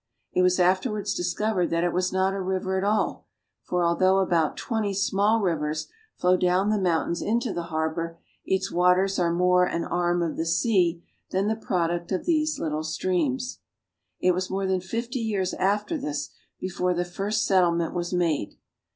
It was afterwards discovered that it was not a river at all, for although about twenty small rivers flow down the mountains into the harbor, its waters are more an arm of the sea than the product of these little streams. It was more than fifty years after this before the first set tlement was made.